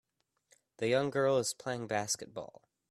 The young girl is playing basketball.